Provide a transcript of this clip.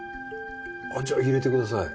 あっじゃあ入れてください。